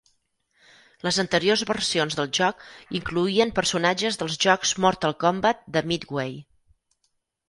Les anteriors versions del joc incloïen personatges dels jocs "Mortal Kombat" de Midway.